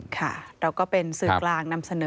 ค่ะเราก็เป็นสื่อกลางนำเสนอ